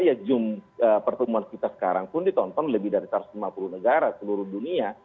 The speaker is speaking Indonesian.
ya jumlah pertemuan kita sekarang pun ditonton lebih dari satu ratus lima puluh negara seluruh dunia